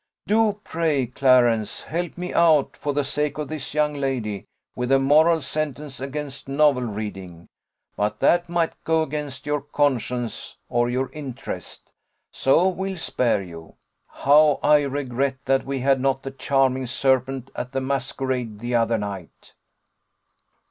"Do, pray, Clarence, help me out, for the sake of this young lady, with a moral sentence against novel reading: but that might go against your conscience, or your interest; so we'll spare you. How I regret that we had not the charming serpent at the masquerade the other night!"